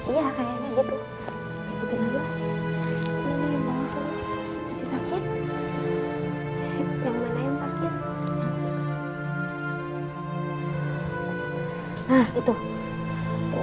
nah emangnya teh cici gak mungkin ya untuk naik haji teh aja